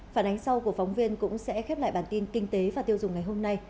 phản ánh sau của phóng viên cũng sẽ khép lại bản tin kinh tế và tiêu dùng ngày hôm nay